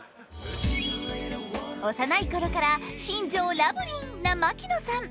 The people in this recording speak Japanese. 幼い頃から新庄ラブリンな牧野さん。